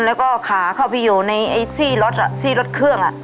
แล้วก็ขาเข้าไปอยู่ในไอ้ซี่รถซี่รถเครื่อง